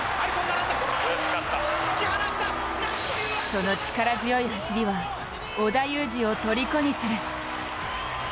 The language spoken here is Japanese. その力強い走りは織田裕二をとりこにする。